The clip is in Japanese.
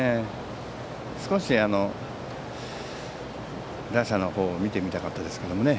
少し打者の方を見てみたかったですけどもね。